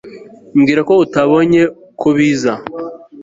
mbwira ko utabonye ko biza